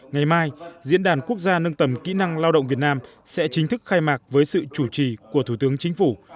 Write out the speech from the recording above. ngày mai diễn đàn quốc gia nâng tầm kỹ năng lao động việt nam sẽ chính thức khai mạc với sự chủ trì của thủ tướng chính phủ